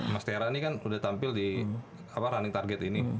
mas tera ini kan udah tampil di running target ini